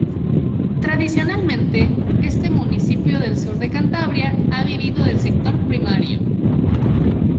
Tradicionalmente, este municipio del sur de Cantabria ha vivido del sector primario.